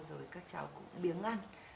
rồi các cháu cũng biếng ăn